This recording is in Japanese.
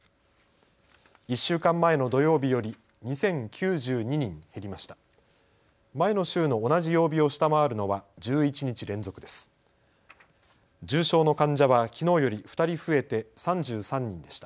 １週間前の土曜日より２０９２人減りました。